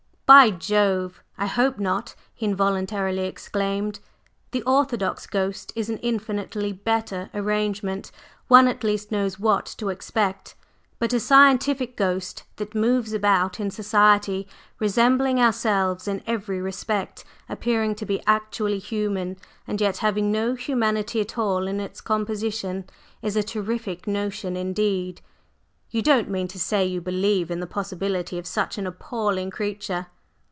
"By Jove! I hope not!" he involuntarily exclaimed. "The orthodox ghost is an infinitely better arrangement. One at least knows what to expect. But a 'scientific' ghost that moves about in society, resembling ourselves in every respect, appearing to be actually human and yet having no humanity at all in its composition, is a terrific notion indeed! You don't mean to say you believe in the possibility of such an appalling creature?"